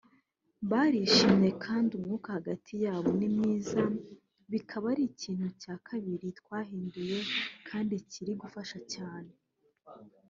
barishimye kandi umwuka hagati yabo ni mwiza bikaba ari ikintu cya kabiri twahinduye kandi kiri gufasha cyane